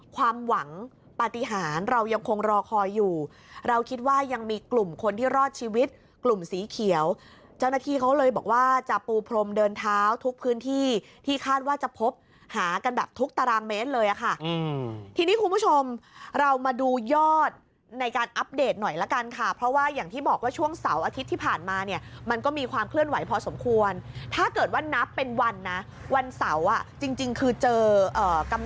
คงรอคอยอยู่เราคิดว่ายังมีกลุ่มคนที่รอดชีวิตกลุ่มสีเขียวเจ้าหน้าที่เขาเลยบอกว่าจะปูพรมเดินเท้าทุกพื้นที่ที่คาดว่าจะพบหากันแบบทุกตารางเมตรเลยอะค่ะอืมทีนี้คุณผู้ชมเรามาดูยอดในการอัปเดตหน่อยละกันค่ะเพราะว่าอย่างที่บอกว่าช่วงเสาร์อาทิตย์ที่ผ่านมาเนี่ยมันก็มีความเคลื่อนไหวพอสม